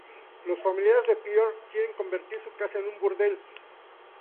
Los familiares de Pierre quieren convertir su casa en un burdel.